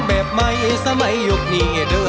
เธอไม่รู้ว่าเธอไม่รู้